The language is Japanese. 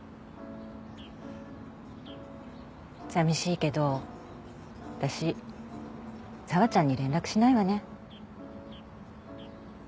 さみしいけど私紗和ちゃんに連絡しないわね。